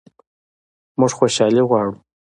موږ خوشحالي غواړو